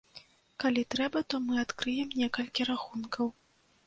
Калі трэба, то мы адкрыем некалькі рахункаў.